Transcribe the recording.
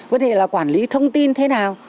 vấn đề là quản lý thông tin thế nào